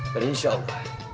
dan insya allah